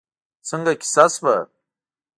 څنګه کېسه شوه؟